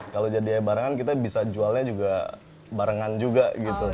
kalau jadi barangan kita bisa jualnya juga barengan juga gitu